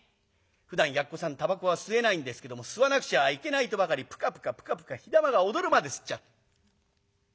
ふだんやっこさんたばこは吸えないんですけども吸わなくちゃいけないとばかりぷかぷかぷかぷか火玉が踊るまで吸っちゃう。